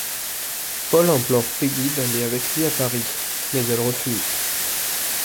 Paul implore Peggy d'aller avec lui à Paris, mais elle refuse.